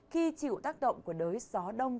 khi chịu tác động của đới gió đông